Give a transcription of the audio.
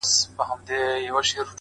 ستا غمونه مي د فكر مېلمانه سي;